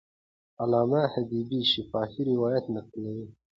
علامه حبیبي شفاهي روایت نقلوي.